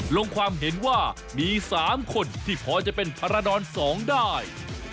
ลงความเห็นว่ามี๓คนที่พอจะเป็นพาราดร๒ได้